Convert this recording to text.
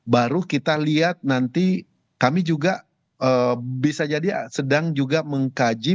baru kita lihat nanti kami juga bisa jadi sedang juga mengkaji